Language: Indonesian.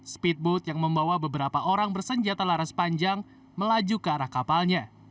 speedboat yang membawa beberapa orang bersenjata laras panjang melaju ke arah kapalnya